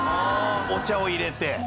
お茶を入れて。